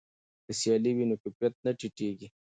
که سیالي وي نو کیفیت نه ټیټیږي.